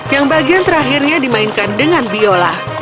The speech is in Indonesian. yang bagian terakhirnya dimainkan dengan biola